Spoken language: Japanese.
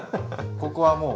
ここはもう。